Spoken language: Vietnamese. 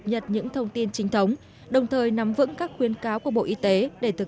cập nhật những thông tin chính thống đồng thời nắm vững các khuyến cáo của bộ y tế để thực